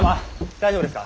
大丈夫ですか。